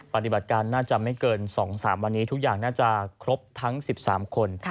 ปฏิบัติการน่าจะไม่เกิน๒๓วันนี้ทุกอย่างน่าจะครบทั้ง๑๓คน